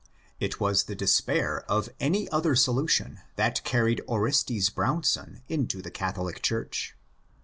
It was despair of any other solution that carried Orestes Brownson into the Catholic church.